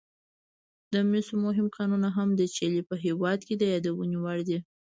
د مسو مهم کانونه هم د چیلي په هېواد کې د یادونې وړ دي.